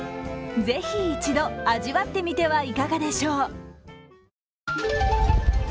是非一度、味わってみてはいかがでしょう。